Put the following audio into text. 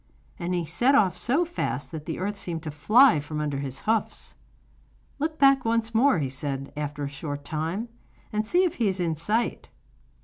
And he set off so fast that the earth seemed to fly from under his hoofs. 'Look back once more,' he said, after a short time, 'and see if he is in sight.